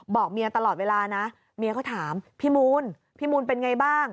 บอกเมียตลอดเวลานะเมียเขาถามพี่มูลพี่มูลเป็นไงบ้าง